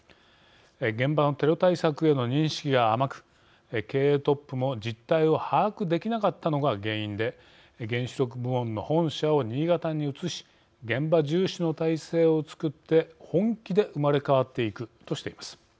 現場のテロ対策への認識が甘く経営トップも実態を把握できなかったのが原因で原子力部門の本社を新潟に移し現場重視の体制をつくって本気で生まれ変わっていくとしています。